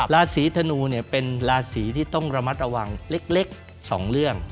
ราศีธนูเนี่ยเป็นราศีที่ต้องระมัดระวังเล็ก๒เรื่อง